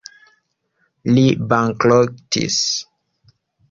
Li bankrotis.